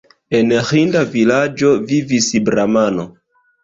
En ĥinda vilaĝo vivis bramano.